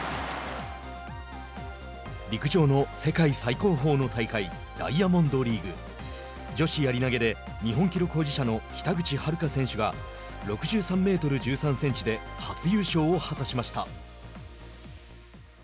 陸上の世界最高峰の大会ダイヤモンドリーグ。女子やり投げで日本記録保持者の北口榛花選手が６３メートル１３センチで初優勝を果たしました。